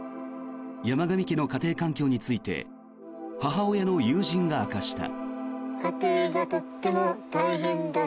山上家の家庭環境について母親の友人が明かした。